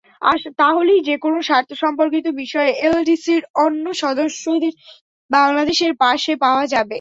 তাহলেই যেকোনো স্বার্থসম্পর্কিত বিষয়ে এলডিসির অন্য সদস্যদের বাংলাদেশের পাশে পাওয়া যাবে।